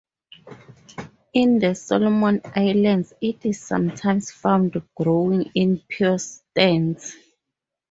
In the Solomon Islands it is sometimes found growing in pure stands.